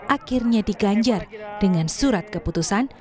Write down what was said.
akhirnya diganjar dengan surat keputusan